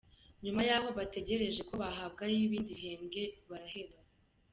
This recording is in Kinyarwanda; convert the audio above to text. Nyuma yaho bategereje ko bahabwa ay’ibindi bihembwe baraheba.